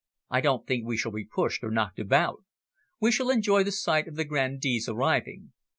I don't think we shall be pushed or knocked about. We shall enjoy the sight of the grandees arriving.